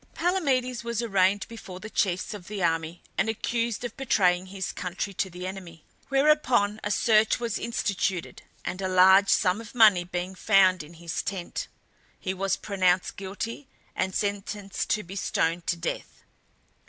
Palamedes was arraigned before the chiefs of the army and accused of betraying his country to the enemy, whereupon a search was instituted, and a large sum of money being found in his tent, he was pronounced guilty and sentenced to be stoned to death.